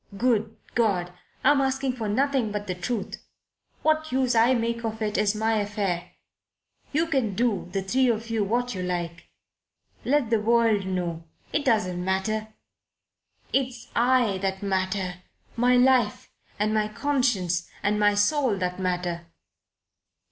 Good God! I'm asking for nothing but the truth. What use I make of it is my affair. You can do the three of you what you like. Let the world know. It doesn't matter. It's I that matter my life and my conscience and my soul that matter."